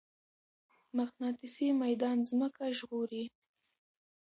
مقناطيسي ميدان ځمکه ژغوري.